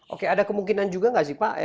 oke ada kemungkinan juga nggak sih pak